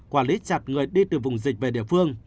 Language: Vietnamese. quản lý chặt người đi từ vùng dịch về địa phương